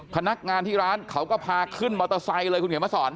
พนักงานที่ร้านเขาก็พาขึ้นมอเตอร์ไซค์เลยคุณเขียนมาสอน